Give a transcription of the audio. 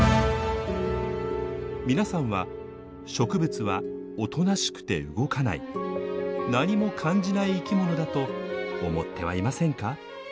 皆さんは植物はおとなしくて動かない何も感じない生き物だと思ってはいませんか？